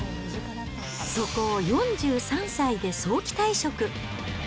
そこを４３歳で早期退職。